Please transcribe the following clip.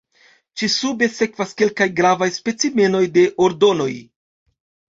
Ĉi-sube sekvas kelkaj gravaj specimenoj de ordonoj.